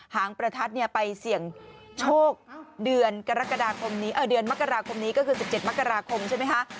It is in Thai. หางประทัดเนี่ยไปเสี่ยงโชคเดือนกรกฎาคมนี้เดือนมกราคมนี้ก็คือ๑๗มกราคมใช่ไหมคะ